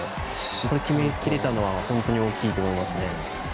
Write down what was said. ここ決めきれたのは本当に大きいと思いますね。